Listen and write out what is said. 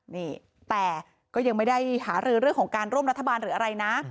นี่แต่ก็ยังไม่ได้หารือเรื่องของการร่วมรัฐบาลหรืออะไรนะ